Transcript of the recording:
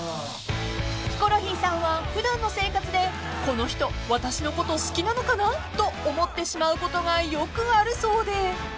［ヒコロヒーさんは普段の生活でこの人私のこと好きなのかな？と思ってしまうことがよくあるそうで］